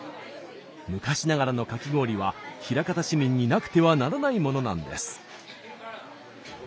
昔ながらのかき氷は枚方市民になくてはならないものなんです。